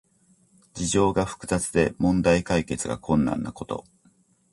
事情が複雑で問題解決が困難なこと。